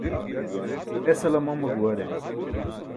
Esala mama guware